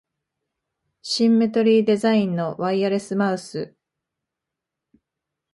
シンメトリーデザインのワイヤレスマウス